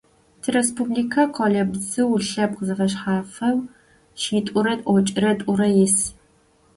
Тиреспубликэ къолэбзыу лъэпкъ зэфэшъхьафэу шъитӏурэ тӏокӏырэ тӏурэ ис.